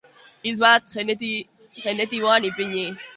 Hitz bat genitiboan ipini.